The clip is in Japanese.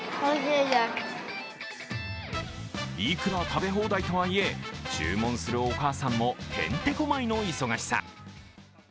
いくら食べ放題とはいえ注文するお母さんもてんてこ舞いの忙しさ。